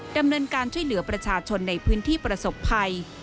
ดำเนินการช่วยเหลือประชาชนในพื้นที่ประสบภัย